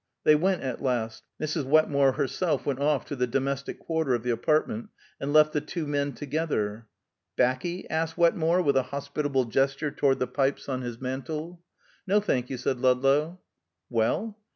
They went at last. Mrs. Wetmore herself went off to the domestic quarter of the apartment, and left the two men together. "'Baccy?" asked Wetmore, with a hospitable gesture toward the pipes on his mantel. "No, thank you," said Ludlow. "Well?"